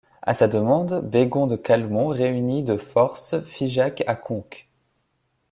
À sa demande, Bégon de Calmont réunit de force Figeac à Conques.